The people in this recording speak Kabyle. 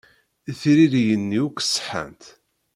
Tiririyin-nni akk ṣeḥḥant.